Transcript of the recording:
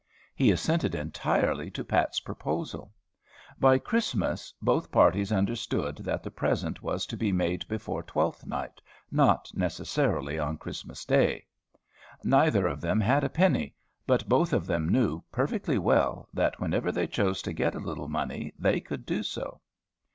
He assented entirely to Pat's proposal. By "Christmas" both parties understood that the present was to be made before Twelfth Night, not necessarily on Christmas day. Neither of them had a penny; but both of them knew, perfectly well, that whenever they chose to get a little money they could do so.